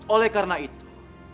oleh karena itu